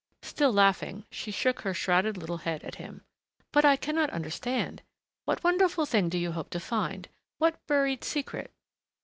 Still laughing, she shook her shrouded little head at him. "But I cannot understand! What wonderful thing do you hope to find what buried secret